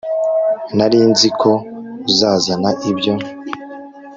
nari nzi ko uzazana ibyo